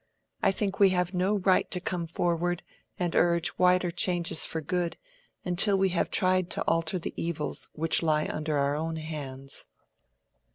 I think we have no right to come forward and urge wider changes for good, until we have tried to alter the evils which lie under our own hands."